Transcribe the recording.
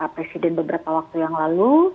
presiden beberapa waktu yang lalu